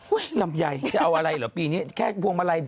เว้ยลำใยจะเอาอะไรเหรอปีนี้แค่พวกเมลัย